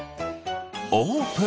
オープン。